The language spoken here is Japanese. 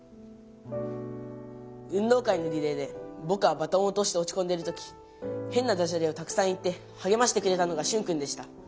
「運動会のリレーでぼくはバトンをおとしておちこんでる時へんなダジャレをたくさん言ってはげましてくれたのがシュンくんでした。